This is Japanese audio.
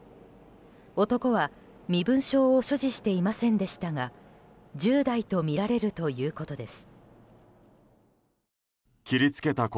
男は身分証を所持していませんでしたが１０代とみられるということです。